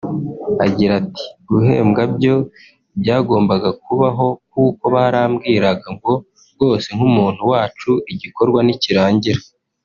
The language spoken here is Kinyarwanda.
Agira ati “Guhembwa byo byagombaga kubaho kuko barambwiraga ngo rwose nk’umuntu wacu igikorwa nikirangira